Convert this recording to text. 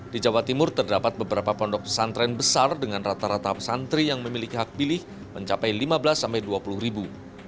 di jawa timur terdapat beberapa pondok pesantren besar dengan rata rata santri yang memiliki hak pilih mencapai lima belas dua puluh ribu